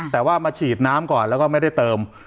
แต่ว่ามาฉีดน้ำก่อนแล้วก็ไม่ได้เติม